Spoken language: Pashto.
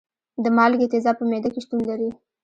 د مالګې تیزاب په معده کې شتون لري.